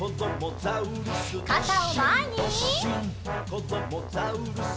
「こどもザウルス